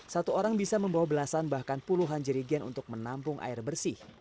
satu orang bisa membawa belasan bahkan puluhan jerigen untuk menampung air bersih